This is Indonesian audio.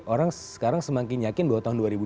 orang sekarang semakin yakin bahwa tahun dua ribu dua puluh